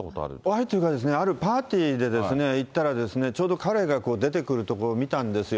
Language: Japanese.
お会いというかですね、あるパーティーでいったら、ちょうど彼が出てくるところ、見たんですよ。